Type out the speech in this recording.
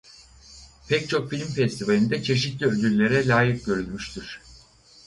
Pek çok film festivalinde çeşitli ödüllere layık görülmüştür.